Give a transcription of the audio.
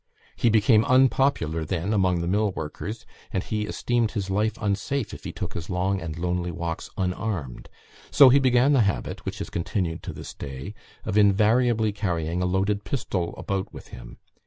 He became unpopular then among the millworkers, and he esteemed his life unsafe if he took his long and lonely walks unarmed; so he began the habit, which has continued to this day, of invariably carrying a loaded pistol about with him.